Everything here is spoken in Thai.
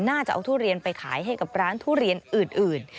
น่าจะเอาทุเรียนไปขายให้กับร้านทุเรียนอื่น